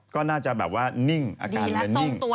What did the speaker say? ก็น่าจะแบบว่านิ่งอาการเรียนได้นี่อะไรนะ